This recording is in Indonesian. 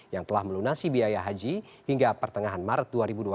yang telah melunasi biaya haji hingga pertengahan maret dua ribu dua puluh